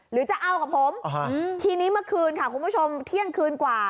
หรือจะเอากับผมทีนี้เมื่อคืนค่ะคุณผู้ชมเที่ยงคืนกว่า